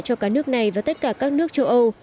cho cả nước này và tất cả các nước châu âu